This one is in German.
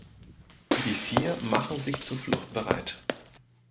Die vier machen sich zur Flucht bereit.